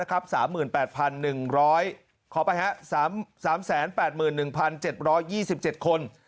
ขอไปฮะ๓๘๑๗๒๗คน